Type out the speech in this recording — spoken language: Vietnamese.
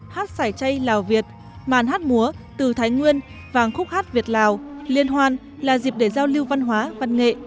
hát sải chay lào việt màn hát múa từ thái nguyên vàng khúc hát việt lào liên hoan là dịp để giao lưu văn hóa văn nghệ